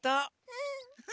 うん。